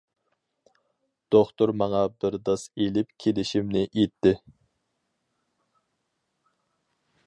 دوختۇر ماڭا بىر داس ئېلىپ كېلىشىمنى ئېيتتى.